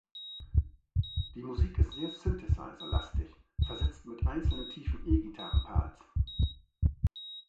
Die Musik ist sehr Synthesizer-lastig, versetzt mit einzelnen, tiefen E-Gitarren-Parts.